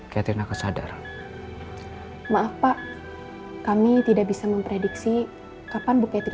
catherine kesadar maaf pak kami tidak bisa memprediksi kapan bukti